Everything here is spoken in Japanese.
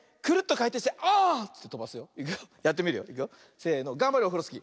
せのがんばれオフロスキー。